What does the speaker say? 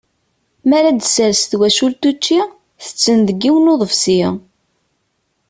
Mi ara d-tessers twacult učči, tetten deg yiwen n uḍebsi.